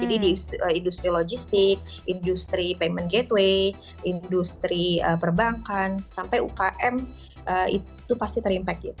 jadi di industri logistik industri payment gateway industri perbankan sampai ukm itu pasti terimpan